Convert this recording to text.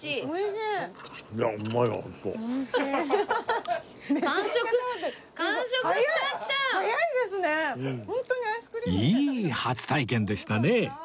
いい初体験でしたね